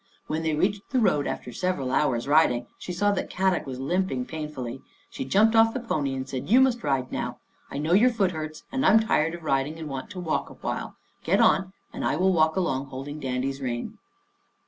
When they reached the road after several hours riding, she saw that Kadok was limping painfully. She jumped off the pony and said, " You must ride now. I know your foot hurts and I'm tired of riding and want to walk 128 Our Little Australian Cousin awhile. Get on and I will walk along and hold Dandy's rein."